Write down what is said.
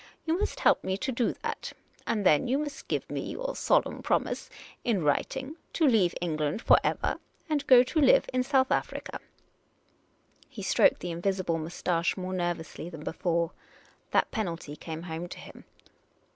You must help me to do that ; and then, you must give me your solemn promise — in writing — to leave England for ever, and go to live in South Africa." He stroked the invisible moustache more nervously than before. That penalty came home to him.